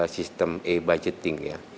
sistem e budgeting ya